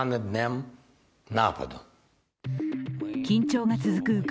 緊張が続く